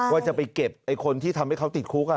ว่าจะไปเก็บคนที่ทำให้เขาติดคุก